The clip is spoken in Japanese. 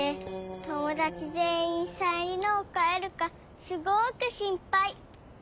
ともだちぜんいんサイン入りのをかえるかすごくしんぱい。